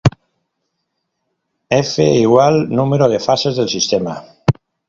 F= Número de fases del sistema.